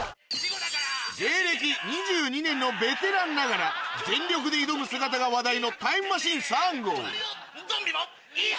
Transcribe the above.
芸歴２２年のベテランながら全力で挑む姿が話題のタイムマシーン３号いい